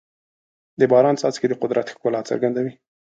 د باران څاڅکي د قدرت ښکلا څرګندوي.